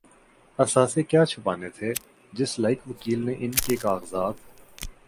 اثاثے کیا چھپانے تھے‘ جس لائق وکیل نے ان کے کاغذات